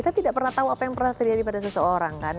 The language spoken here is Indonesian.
kita tidak pernah tahu apa yang pernah terjadi pada seseorang kan